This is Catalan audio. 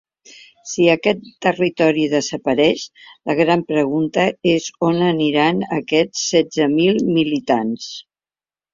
Si aquest territori desapareix, la gran pregunta és on aniran aquests setze mil militants.